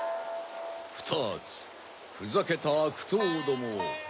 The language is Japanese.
ふたつふざけたあくとうどもを。